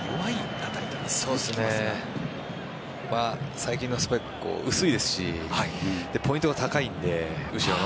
最近のスパイクは薄いですしポイントが高いので、後ろの。